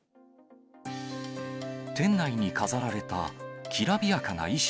店内に飾られたきらびやかな衣装。